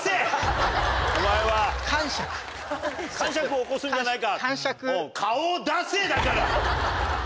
かんしゃくを起こすんじゃないか。